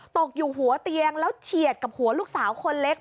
ตกอยู่หัวเตียงแล้วเฉียดกับหัวลูกสาวคนเล็ก